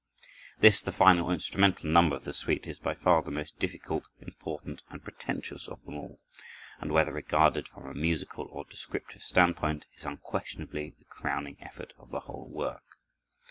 This, the final instrumental number of the suite, is by far the most difficult, important, and pretentious of them all; and whether regarded from a musical or descriptive standpoint, is unquestionably the crowning effort of the whole work.